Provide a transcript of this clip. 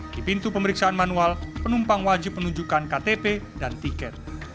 di pintu pemeriksaan manual penumpang wajib menunjukkan ktp dan tiket